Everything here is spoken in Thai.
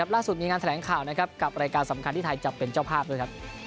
ล่าสุดมีงานแถลงข่าวนะครับกับรายการสำคัญที่ไทยจะเป็นเจ้าภาพด้วย